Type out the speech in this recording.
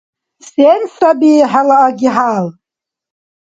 Сен саби хӀела аги-хӀял?